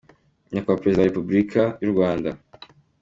Nyakubahwa Perezida wa Republika Y’U Rwanda,